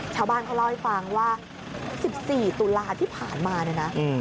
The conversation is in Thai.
ชาวบ้านเขาเล่าให้ฟังว่า๑๔ตุลาที่ผ่านมาเนี่ยนะ